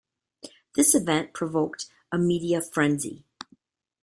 This event provoked a media frenzy.